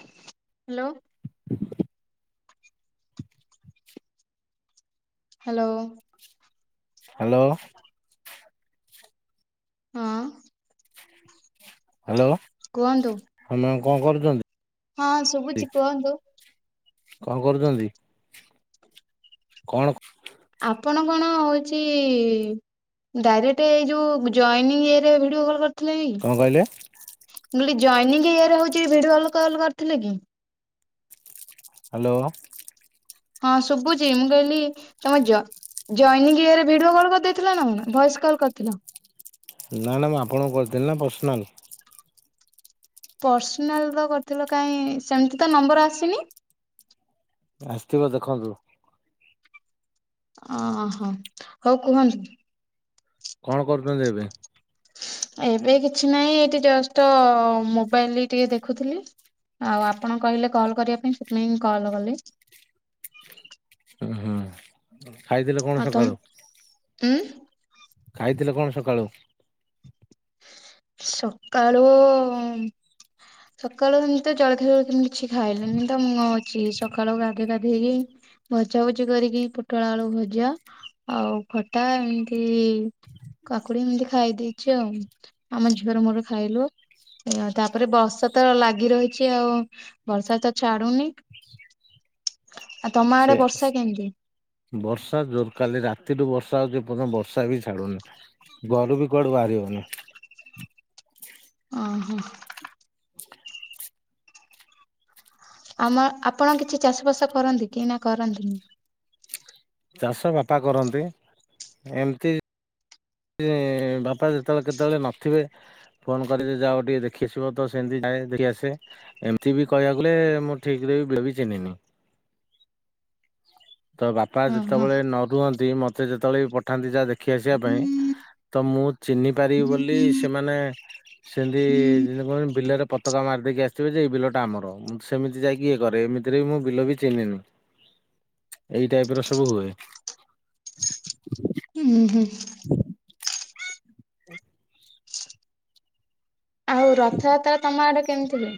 Hello. Hello. Hello. ହଁ। Hello. କୁହନ୍ତୁ। [unintelligible] କଣ କରୁଛନ୍ତି। ହଁ ଶୁଭୁଛି କୁହନ୍ତୁ। କଣ କରୁଛନ୍ତି କଣ? ଆପଣ କଣ ହଉଛି ଡାଇରେକ୍ଟ ଏଇ ଯୋଉ ଜନିଂ ଇଏରେ ଭିଡିଓ କଲ କରି ଥିଲେ କି କଣ କହିଲେ ମୁଁ କହିଲି ଜଏନିଂ ଇଏରେ ହଉଛି ଭିଡିଓ କଲ କରିଥିଲେ କି? ହ୍ୟାଲୋ। ହଁ ଶୁଭୁଛି ମୁଁ କହିଲି ତମେ ଜ ଜଏନିଂ କି ଇରେ ଭିଡିଓ କଲ୍ କରିଦେଇଥିଲା ନା ଭଏସ କଲ୍ କରିଥିଲ। ନା ନା ଆପଣଙ୍କୁ କରିଥିଲି ନା ପର୍ସନାଲ୍। ପର୍ସନାଲ ର କରିଥିଲ କାଇହିଁ ସେମତି ତ ନମ୍ବର ଆସିନି। ଆସିଥିବ ଦେଖନ୍ତୁ। ଅହୋ ହଉ କୁହନ୍ତୁ। କଣ କରୁଛନ୍ତି ଏବେ? ଏବେ କିଛି ନାହିଁ ଏଠି ଜଷ୍ଟ ମୋବାଇଲରେ ଟିକେ ଦେଖୁଥିଲି। ଆଉ ଆପଣ କହିଲେ କଲ୍ କରିବା ପାଇଁ ସେଥିପାଇଁ କଲ୍ କଲି। ହୁଁ ହୁଁ ଖାଇଥିଲେ କଣ ଆଉ ତମ ସକାଳୁ ଉଁ ଖାଇଥିଲେ କଣ ସକାଳୁ? ସକାଳୁ ସକାଳୁ ଏମିତି ଜଳଖିଆ ଜଳଖିଆ କିଛି ଖାଇନି ତ ମୁଁ ଅଛି ସକାଳୁ ଗାଧୋଇ ଗାଧୋଇ ହେଇକି ଭଜା ଭୁଜି କରିକି ପୋଟଳ ଆଳୁ ଭଜା ଆଉ ଖଟା ଏମିତି କାକୁଡି ଏମିତି ଖାଇ ଦେଇଛି ଆଉ ଆମ ଝିଅର ମୋର ଖାଇଲୁ। ଆଉ ତାପରେ ବର୍ଷା ତ ଲାଗି ରହିଛି ଆଉ ବର୍ଷା ତ ଛାଡୁନି। [unintelligible] ଆଉ ତମ ସେ ଆଡେ ବର୍ଷା କେମତି? ବର୍ଷା ଜୋର କାଲି ରାତିଠୁ ବର୍ଷା ହଉଛି ଯେ ବର୍ଷା ବି ଛାଡୁନି। ଘରୁ ବି କୁଆଡୁ ବାହାରି ହଉନି। ଓ ହ ହ। ହ ଆମ ଆପଣ କିଛି ଚାଷ ବାସ କରନ୍ତି କି ନା କରନ୍ତିନି? ଚାଷ ବାପା କରନ୍ତି ଏମତି ବାପା ଯେତେବେଳେ କେତେବେଳେ ନଥିବେ ଫୋନ କରିବେ ଯେ ଯାଅ ଟିକେ ଦେଖିଆସିବ ତ ସେମତି ଯାଏ ଦେଖିଆସେ? ଏମିତି ବି କହିବକୁ ଗଲେ ମୁଁ ଠିକରେ ବିଲ ବିି ଚିହ୍ନିନି। ତ ବାପା ହଁ ଯେତେବେଳେ ନ ରୁହନ୍ତି ମତେ ଯେତେବେଳେ ବି ପଠାନ୍ତି ଯାହା ଦେଖି ଆସିବା ପାଇଁ। ହଁ। ତ ମୁଁ ଚିହ୍ନି ପାରିବି ହୁଁ ବୋଲି ସେମାନେ ସେମିତି ଯେମିତି କହ ବିଲରେ ପତାକା ମାରିଦେଇକି ଆସିଥିବେ ଯେ ଏଇ ବିଲଟା ଆମର। ସେମିତି ଯାଇକି ଇଏ କରେ ଏମତିରେ ବି ମୁଁ ବିଲ ବି ଚିହ୍ନିନି। ଏଇ ଟାଇପର ସବୁ ହୁଏ। ହୁଁ ହୁଁ ହୁଁ। ଆଉ ରଥଯାତ୍ରା ତମ ଆଡେ କେମିତି ହୁଏ?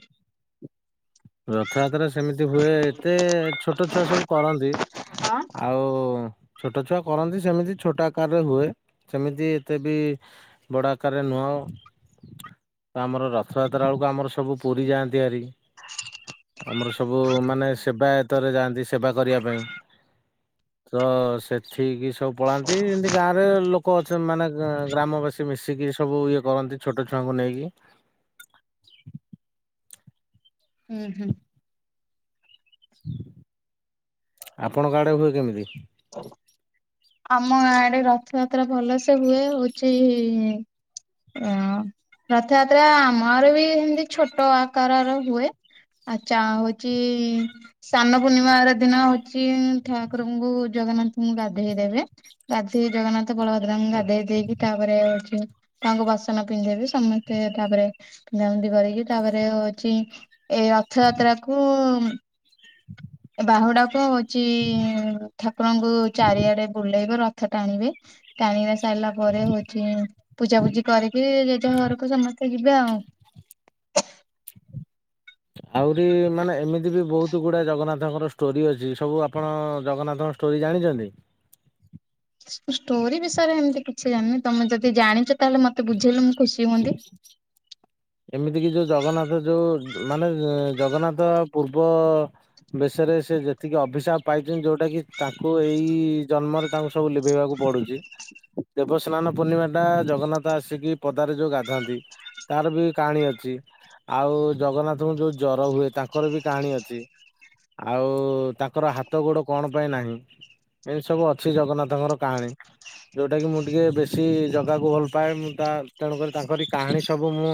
ରଥଯାତ୍ରା ସେମିତି ହୁଏ ଏତେ ଛୋଟ ଛୁଆ ସବୁ କରନ୍ତି। ହଁ। ଆଉ ଛୋଟ ଛୁଆ କରନ୍ତି ସେମିତି ଛୋଟ ଆକାରରେ ହୁଏ ସେମିତି ଏତେ ବି ବଡ଼ଆକାରରେ ନୁହେଁ ତ ଆମର ରଥଯାତ୍ରା ବେଳକୁ ଆମର ସବୁ ପୁରୀ ଯାଆନ୍ତି ଭାରି। ଆମର ସବୁ ମାନେ ସେବାୟତରେ ଯାଆନ୍ତି ସେବା କରିବା ପାଇଁ। ତ ସେଠିକି ସବୁ ପଳାନ୍ତି ଏମତି ଗାଁରେ ଲୋକ ଅଛନ୍ତି ମାନେ ଗ୍ରାମବାସୀ ସେ ମିଶିକି ସବୁ ଇଏ କରନ୍ତି ଛୋଟ ଛୁଆଙ୍କୁ ନେଇକି ହୁଁ ହୁଁ। ଆପଣଙ୍କ ଆଡେ ହୁଏ କେମିତି? ଆମ ଗାଁ ଆଡେ ରଥଯାତ୍ରା ଭଲସେ ହୁଏ ହଉଛି। ଓ ରଥଯାତ୍ରା ଆମର ବି ଏମତି ଛୋଟ ଆକାରର ହୁଏ। ଆଚା ହଉଛି ସାନ ପୂର୍ଣ୍ଣିମାର ଦିନ ହଉଛି ଠାକୁରଙ୍କୁ ଜଗନ୍ନାଥଙ୍କୁ ଗାଧୋଇ ଦେବେ ଗାଧୋଇ ଜଗନ୍ନାଥ ବଳଭଦ୍ରା ଗାଧେଇ ଦେଇକି ତାପରେ ହଉଛି। ତାଙ୍କୁ ବସନ ପିନ୍ଧେଇବେ ସମସ୍ତେ ତାପରେ ପିନ୍ଧାପିନ୍ଧି କରିକି ତାପରେ ହଉଛି ଏ ରଥଯାତ୍ରା କୁ ଏ ବାହୁଡାକୁ ହଉଛି ଠାକୁରଙ୍କୁ ଚାରିଆଡେ ବୁଲେଇବେ ରଥ ଟାଣିବେ। ଟାଣକି ସାରିଲା ପରେ ହଉଛି ପୂଜା ପୂଜି କରିକି ଜେଝା ଘରକୁ ସମସ୍ତେ ଯିବେ ଆଉ ଆହୁରି ମାନେ ଏମିତି ବି ବହୁତ ଗୁଡା ଜଗନ୍ନାଥଙ୍କର ଷ୍ଟୋରି ଅଛି ସବୁ ଆପଣ ଜଗନ୍ନାଥଙ୍କ ଷ୍ଟୋରି ଜାଣିଛନ୍ତି। ଷ୍ଟୋରି ବିଷୟରେ ଏମିତି କିଛି ଜାଣିନି ତମେ ଯଦି ଜାଣିଛ ତାହେଲେ ମତେ ବୁଝିଲୁ ମୁ ହ ଏମିତି କିି ଯୋଉ ଜଗନ୍ନାଥ ଯୋଉ ମାନେ ଜଗନ୍ନାଥ ପୂର୍ବ ବେଶରେ ସେ ଯେତିକି ଅଭିଶାପ ପାଇଛନ୍ତି ଯୋଉଟା କି ତାଙ୍କୁ ଏଇ ଜନ୍ମରେ ତାଙ୍କୁ ସବୁ ଲିଭେଇବାକୁ ପଡୁଛି ଦେବସ୍ନାନ ପୂର୍ଣ୍ଣିମାଟା ଜଗନ୍ନାଥ ଆସିକି ପଦାରେ ଯୋଉ ଗାଧାନ୍ତି ତାର ବି କାହାଣୀ ଅଛି। ଆଉ ଜଗନ୍ନାଥଙ୍କୁ ଯୋଉ ଜର ହୁଏ ତାଙ୍କର ବି କାହାଣୀ ଅଛି। ଆଉ ତାଙ୍କର ହାତ ଗୋଡ କଣ ପାଇଁ ନାହିଁ। ଏମିତି ସବୁ ଅଛି ଜଗନ୍ନାଥଙ୍କର କାହାଣୀ। ଯୋଉଟା କି ମୁଁ ଟିକେ ବେଶୀ ଜଗାକୁ ଭଲ ପାଏ ମୁଁ ତା ତେଣୁକରି ତାଙ୍କରି କାହାଣୀ ସବୁ ମୁଁ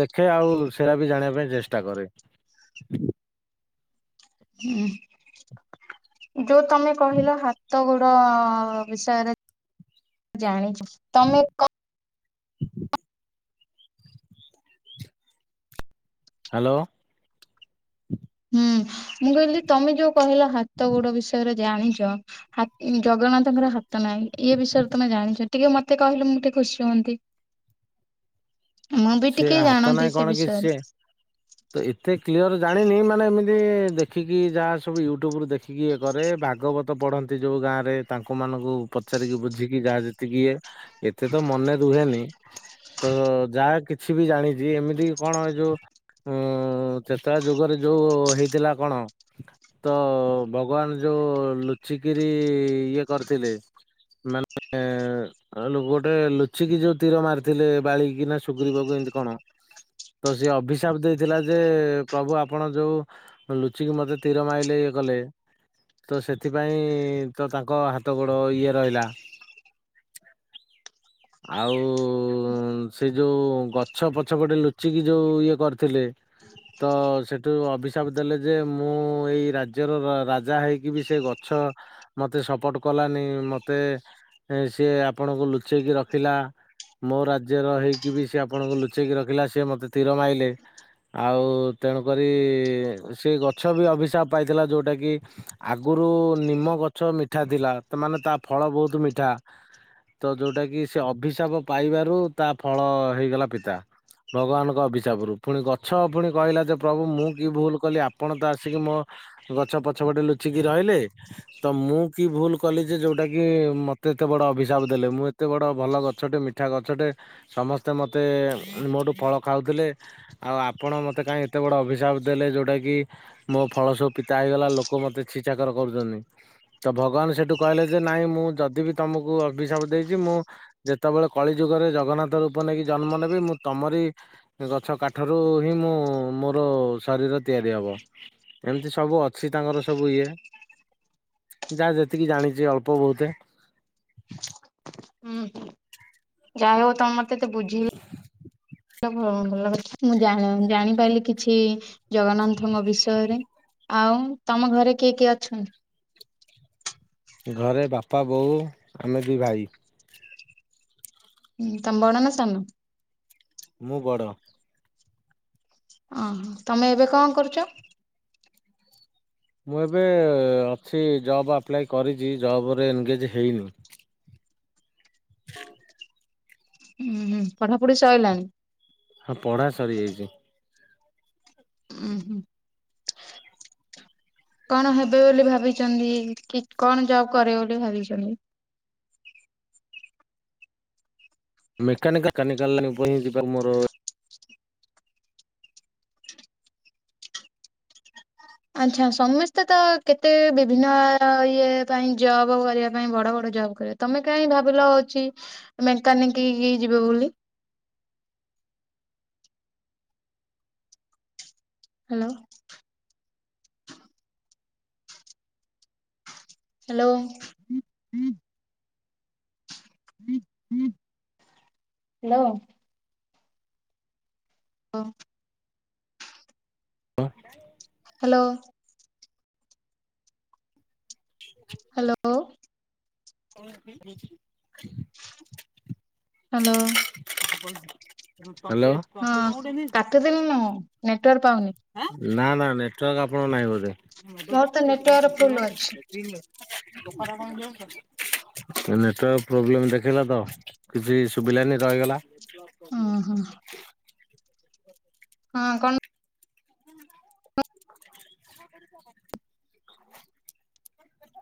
ଦେଖେ ଆଉ ସେରା ବି ଜାଣିବା ପାଇଁ ଚେଷ୍ଟା କରେ। ହୁଁ। ଯୋଉ ତମେ କହିଲ ହାତ ଗୋଡ଼ ବିଷୟରେ ଜାଣିଛୁ। ତମେ କ ହ୍ୟାଲୋ। ହୁଁ ମୁଁ କହିଲି ତମେ ଯୋଉ କହିଲ ହାତ ଗୋଡ ବିଷୟରେ ଜାଣିଛ ହାତ ଜଗନ୍ନାଥଙ୍କର ହାତ ନାହିଁ ଇଏ ବିଷୟରେ ତମେ ଜାଣିଛ ଟିକେ ମତେ କହିଲେ ମୁଁ ଟିକେ ଖୁସି ହୁଅନ୍ତି। ମୁଁ ବି ସେ ଟିକେ ହାତ ଜାଣନ୍ତି ନାଇଁ ସେ କଣକି ବିଷୟରେ। ସିଏ ତ ଏତେ କ୍ଲିୟର ଜାଣିନି ମାନେ ଏମିତି ଦେଖିକି ଯାହା ସବୁ ୟୁଟୁବ ରୁ ଦେଖି ଇଏ କରେ ଭାଗବତ ପଢନ୍ତି ଯୋଉ ଗାଁରେ ତାଙ୍କ ମାନଙ୍କୁ ପଚାରିକି ବୁଝିକି ଯାହା ଯେତିକି ଇଏ ଏତେ ତ ମନେ ରୁହେନି ତ ଯାହା କି କିଛି ବି ଜାଣିଛି ଏମିତି କଣ ଏଇ ଯୋଉ ଉଁ ତେତୟା ଯୁଗରେ ଯୋଉ ହେଇଥିଲା କଣ ତ ଭଗବାନ ଯୋଉ ଲୁଚିକିରି ଇଏ କରିଥିଲେ ମାନେ ଗୋଟେ ଲୁଚିକି ଯୋଉ ତୀର ମାରିଥିଲେ ବାଳିକି ନା ସୁ କୁ ଏମତି କଣ ତ ସି ଅଭିଶାପ ଦେଇଥିଲା ଯେ ପ୍ରଭୁ ଆପଣ ଯୋଉ ଲୁଚିକି ମତେ ତୀର ମାଇଲେ ଇଏ କଲେ ତ ସେଥିପାଇଁ ତ ତାଙ୍କ ହାତ ଗୋଡ ଇଏ ରହିଲା। ଆଉ ସେ ଯୋଉ ଗଛ ପଛପଟେ ଲୁଚିକି ଯୋଉ ଇଏ କରିଥିଲେ ତ ସେଠୁ ଅଭିଶାପ ଦେଲେ ଯେ ମୁଁ ଏଇ ରାଜ୍ୟର ରାଜା ହେଇକି ବି ସେ ଗଛ ମତେ ସପୋର୍ଟ କଲାନି ମତେ ସିଏ ଆପଣଙ୍କୁ ଲୁଚେଇକି ର ରଖିଲା ମୋ ରାଜ୍ୟର ହେଇକି ବି ସେ ଆପଣଙ୍କୁ ଲୁଚେଇକି ରଖିଲା ସିଏ ମତେ ତୀର ମାଇଲେ ଆଉ ତେଣୁକରି ସେ ଗଛ ବି ଅଭିଶାପ ପାଇଥିଲା ଯୋଉଟା କି ଆଗୁରୁ ନିମ ଗଛ ମିଠା ଥିଲା ତ ମାନେ ତା ଫଳ ବହୁତ ମିଠା। ତ ଯୋଉଟା କି ସେ ଅଭିଶାପ ପାଇବାରୁ ତା ଫଳ ହେଇଗଲା ପିତା। ଭଗବାନଙ୍କ ଅଭିଶାପରୁ ପୁଣି ଗଛ ପୁଣି କହିଲା ଯେ ପ୍ରଭୁ ମୁଁ କି ଭୁଲ କଲି ଆପଣ ତ ଆସିକି ମୋ ଗଛ ପଛ ପଟେ ଲୁଚିକି ରହିଲେ ତ ମୁଁ କି ଭୁଲ କଲି ଯେ ଯୋଉଟା କି ମତେ ଏତେ ବଡ ଅଭିଶାପ ଦେଲେ ମୁଁ ଏତେ ବଡ ବଟ ଭଲ ଗଛଟେ ମିଠା ଗଛଟେ ସମସ୍ତେ ମୋତେ ମୋଠୁ ଫଳ ଖାଉଥିଲେ ଆଉ ଆପଣ ମତେ କାଇହିଁ ଏତେ ବଡ ଅଭିଶାପ ଦେଲେ ଯୋଉଟା କି ମୋ ଫଳ ସବୁ ପିତା ହେଇଗଲା ଲୋକ ମତେ ଛିଛାକର କରୁଛନ୍ତି। ତ ଭଗବାନ ସେଠୁ କହିଲେ ଯେ ନାଇଁ ମୁଁ ଯଦି ବି ତମକୁ ଅଭିଶାପ ଦେଇଛି ମୁଁ ଯେତେବେଳେ କଳି ଯୁଗରେ ଜଗନ୍ନାଥ ରୂପ ନେଇକି ଜନ୍ମ ନେବି ମୁଁ ତମରି ସେ ଗଛ କାଠରୁ ହିଁ ମୁଁ ମୋର ଶରୀର ତିଆରି ହବ। ଏମିତି ସବୁ ଅଛି ତାଙ୍କର ସବୁ ଇଏ। ଯାହା ଯେତିକି ଜାଣିଛି ଅଳ୍ପ ବହୁତେ। ହୁଁ ହୁଁ ଯାହା ହଉ ତମ ମତେ ଏତେ ବୁଝେଇଲ। ଭଲ କଥା ମୁଁ ଜାଣିପାରିଲି କିଛି ଜଗନ୍ନାଥଙ୍କ ବିଷୟରେ। ଆଉ ତମ ଘରେ କିଏ କିଏ ଅଛନ୍ତି? ଘରେ ବାପା ବୋଉ ଆମେ ଦୁଇ ଭାଇ। ହୁଁ ତମେ ବଡ଼ ନା ସାନ? ମୁଁ ବଡ଼। ଅ ହଁ। ତମେ ଏବେ କଣ କରୁଚ? ମୁଁ ଏବେ ଅଛି ଜବ୍ ଆପ୍ଲାଏ କରିଚି। ଜବ୍ ରେ ଏନଗେଜ୍ ହେଇନି। ଉଁ ହୁଁ। ପଠାପଢି ସଇଲାଣି? ହଁ ପଢ଼ା ସରିଯାଇଚି। ଉଁ ହୁଁ। କଣ ହେବେ ବୋଲି ଭାବିଚନ୍ତି? କି କଣ ଜବ୍ କରିବେ ବୋଲି ଭାବିଚନ୍ତି? ମେକାନିକାଲ୍ ମେକାନିକାଲ୍ [unintelligible] ଯିବା ମୋର ଆଚ୍ଛା। ସମସ୍ତେ ତ କେତେ ବିଭିନ୍ନ ଇଏ ପାଇଁ ଜବ୍ କରିବା ପାଇଁ ବଡ ବଡ ଜବ୍ କରିବା ତମେ କାଇଁ ଭାବିଲ ହଉଚି ମେକାନିକ୍ ଯିବ ବୋଲି? ହାଲୋ। ହ୍ୟାଲୋ। ହାଲୋ। [unintelligible] [unintelligible] ହାଲୋ। ହ ହାଲୋ। [unintelligible] ହାଲୋ। ହାଲୋ। ହଁ। କାଟି ଦେଲେ ନା କଣ ନେଟୱାର୍କ ପାଉନି। ନା ନା ନେଟୱାର୍କ ଆପଣଙ୍କ ନାହିଁ ବୋଧେ। ମୋର ତ ନେଟୱର୍କ ଫୁଲ୍ ଅଛି। [unintelligible] ନେଟୱାର୍କ ପ୍ରୋବ୍ଲେମ ଦେଖେଇଲା ତ କିଛି ସୁବିଲାନି ରହିଗଲା। ଉଁ ହୁଁ। ହଁ କଣ [unintelligible]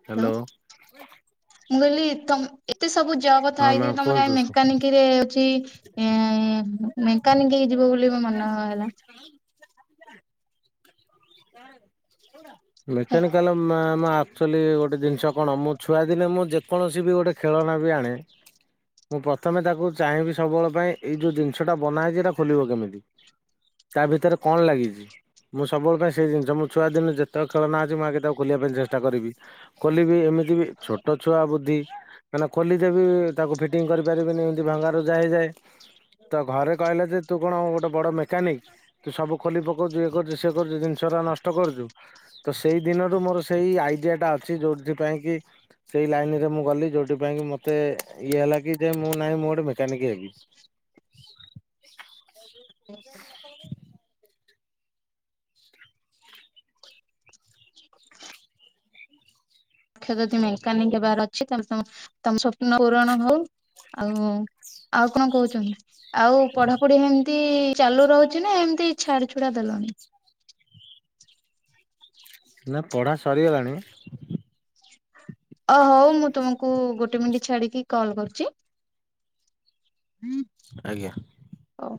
ହ୍ୟାଲୋ ହ୍ୟାଲୋ। ମୁଁ କହିଲି ତମ୍ ଏତେ ସବୁ ଜବ୍ ହଁ ଥାଇକି ମ୍ୟାମ୍ ତମେ କା କୁହନ୍ତୁ। ମେକାନିକ୍ କି ରେ ହଉଚି ଏ ମେକାନିକ୍ ଯିବ ବୋଲି ମନ ହେଲା? ମେକାନିକାଲ୍ ମାମ୍ ଆକଚୁଆଲି ଗୋ ଟେ ଜିନିଷ କଣ ମୁଁ ଛୁଆ ଦିନେ ମୁଁ ଯେକୌଣସି ବି ଗୋଟେ ଖେଳନା ବି ଆଣେ ମୁଁ ପ୍ରଥମେ ତାକୁ ଚାହିଁବି ସବୁବେଳ ପାଇଁ ଏଇ ଯୋଉ ଜିନିଷଟା ବନା ହେଇଚି ଏଇଟା ଖୋଲିବ କେମିତି। ତା ଭିତରେ କଣ ଲାଗିଚି। ମୁଁ ସବୁବେଳ ପାଇଁ ସେଇ ଜିନିଷ ମୁଁ ଛୁଆ ଦିନେ ଯେତେକ ଖେଳ ଅଛି ମୁଁ ଆଗ ତାକୁ ଖୋଲିବା ପାଇଁ ଚେଷ୍ଟା କରିବି। ଖୋଲିବି ଏମିତି ଛୋଟ ଛୁଆ ବୁଦ୍ଧି। କାହିଁକି ନା ଖୋଲିଦେବି ତାକୁ ଫିଟିଂ କରିପାରିବିନି ଏମିତି ଭଙ୍ଗା ରୁଜା ହେଇଯାଏ। ତ ଘରେ କହିଲେ ଯେ ତୁ କଣ ଗୋଟେ ବଡ଼ ମେକାନିକ୍। ତୁ ସବୁ ଖୋଲି ପକଉଚୁ ଇଏ କରୁଚୁ ସିଏ କରୁଚୁ ଜିନିଷ ଟା ନଷ୍ଟ କରୁଚୁ। ତ ସେଇ ଦିନରୁ ମୋର ସେଇ ଆଇଡିଆ ଟା ଅଛି ଯୋଉଥି ପାଇଁ କି ସେଇ ଲାଇନ୍ ରେ ମୁଁ ଗଲି ଯୋଉଠି ପାଇଁ କି ମତେ ଇଏ ହେଲା କି ଯେ ମୁଁ ନାହିଁ ମୁଁ ଗୋଟେ ମେକାନିକ୍ ହେବି। ହୁ। [unintelligible] ଯଦି ମେକାନିକ୍ ହେବାର ଅଛି ତାହାଲେ ତମ ତମ ସ୍ୱପ୍ନ ପୂରଣ ହଉ। ଆଉ ଆଉ କଣ କହୁଛନ୍ତି? ଆଉ ପଢାପଢି ହେମତି ଚାଲୁ ରହୁଚି ନା ଏମତି ଛାଡି ଛୁଡା ଦେଲଣି? ନା ପଢ଼ା ସରିଗଲାଣି। ଅ ହଉ ମୁଁ ତମକୁ ଗୋଟେ ମିନିଟ୍ ଛାଡିକି କଲ୍ କରୁଚି। ଆଜ୍ଞା। ହଉ।